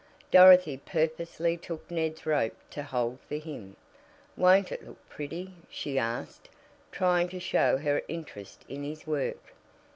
Dorothy purposely took Ned's rope to hold for him. "Won't it look pretty?" she asked, trying to show her interest in his work.